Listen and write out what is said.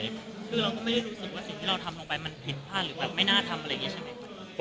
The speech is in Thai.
คือเราก็ไม่ได้รู้สึกว่าสิ่งที่เราทำลงไปมันผิดพลาดหรือแบบไม่น่าทำอะไรอย่างนี้ใช่ไหม